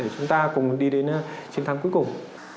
chúng ta cùng đi đến chiến thắng cuối cùng